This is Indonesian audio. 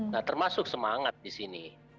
nah termasuk semangat di sini